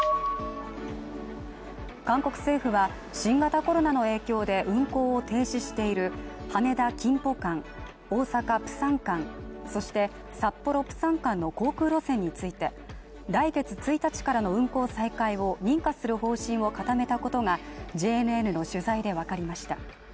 韓国政府は新型コロナの影響で運航を停止している羽田−キンポ大阪−プサン、そして札幌−プサンの航空路線について来月１日からの運航再開を認可する方針を固めたことが、ＪＮＮの取材でわかりました。